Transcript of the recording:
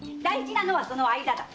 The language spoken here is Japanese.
大事なのはその間だ。